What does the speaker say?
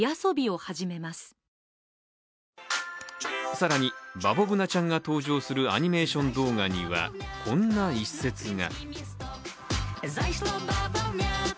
更にバボブナちゃんが登場するアニメーション動画には、こんな一節が。